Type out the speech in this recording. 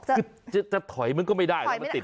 จะถอยมันก็ไม่ได้